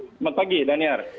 selamat pagi daniar